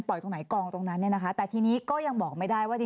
ปล่อยตรงไหนกองตรงนั้นแต่ทีนี้ก็ยังบอกไม่ได้ว่า